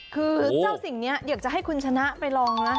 คือเจ้าสิ่งนี้อยากจะให้คุณชนะไปลองนะ